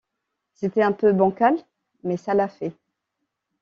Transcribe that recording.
C'était un peu bancal mais ça l'a fait.